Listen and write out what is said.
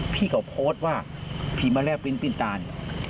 พี่เขาโพสต์ว่าผีมาแลบปิ้นปิ้นตาน